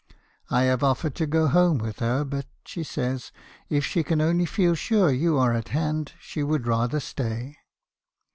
I have offered to go home with her; but she says , if she can only feel sure you are at hand, she would rather stay.'